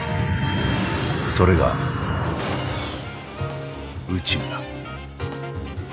それが宇宙だ。